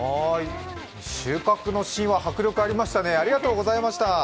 収穫のシーンは迫力ありましたね、ありがとうございました。